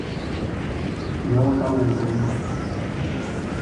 Iota Unum.